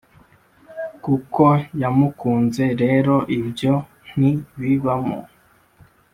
kuko yamukunze rero ibyo ntibibamo